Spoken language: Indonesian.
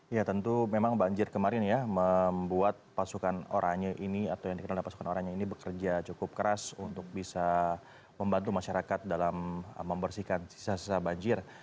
ya tentu memang banjir kemarin ya membuat pasukan oranye ini atau yang dikenal dengan pasukan orangnya ini bekerja cukup keras untuk bisa membantu masyarakat dalam membersihkan sisa sisa banjir